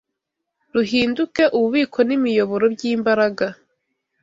ruhinduke ububiko n’imiyoboro by’imbaraga